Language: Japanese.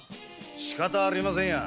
しかたありません。